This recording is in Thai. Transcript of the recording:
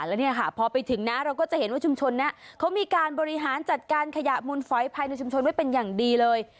แล้วเนี่ยค่ะพอไปถึงนะเราก็จะเห็นว่าชุมชนนี้เขามีการบริหารจัดการขยะมูลฝอยภายในชุมชนไว้เป็นอย่างดีเลย